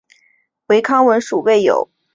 唯康文署未有回覆加设栏杆的原因。